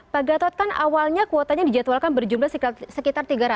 pak gatot kan awalnya kuotanya dijadwalkan berjumlah sekitar tiga ratus